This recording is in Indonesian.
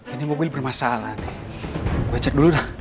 ini mobil bermasalah nih gue cek dulu dah